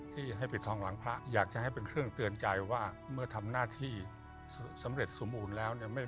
ที่ให้ปิดทองหลังพระอยากจะให้เป็นเครื่องเตือนใจว่าเมื่อทำหน้าที่สำเร็จสมบูรณ์แล้วเนี่ย